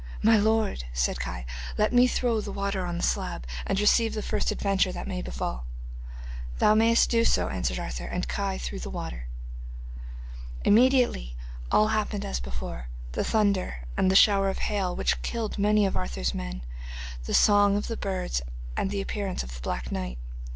'My lord,' said Kai, 'let me throw the water on the slab, and receive the first adventure that may befall.' 'Thou mayest do so,' answered Arthur, and Kai threw the water. Immediately all happened as before; the thunder and the shower of hail which killed many of Arthur's men; the song of the birds and the appearance of the black knight.